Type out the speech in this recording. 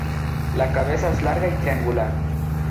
La cabeza es larga y triangular.